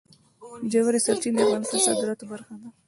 ژورې سرچینې د افغانستان د صادراتو برخه ده.